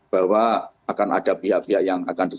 bahwa akan ada pihak pihak yang akan